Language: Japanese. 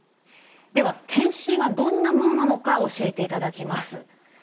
では検診はどんなものなのか教えていただきます。